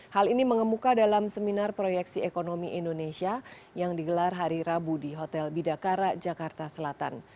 hal ini mengemuka dalam seminar proyeksi ekonomi indonesia yang digelar hari rabu di hotel bidakara jakarta selatan